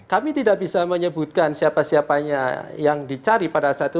kami tidak bisa menyebutkan siapa siapanya yang dicari pada saat itu